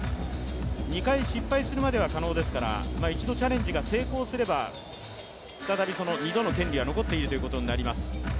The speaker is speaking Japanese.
２回失敗するまでは可能ですから、１度チャレンジが成功すれば再び２度の権利は残っているということになります。